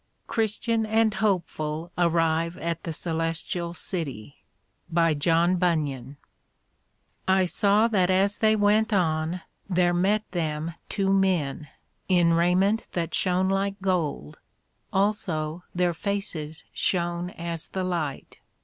CHRISTIAN AND HOPEFUL ARRIVE AT THE CAELESTIAL CITY By John Bunyan I saw that as they went on, there met them two men, in Raiment that shone like Gold, also their faces shone as the light.